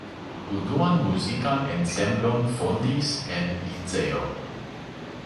Unuan muzikan ensemblon fondis en liceo.